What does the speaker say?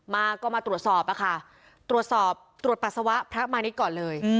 มาก็มาตรวจสอบอะค่ะตรวจสอบตรวจปัสสาวะพระมาณิชย์ก่อนเลย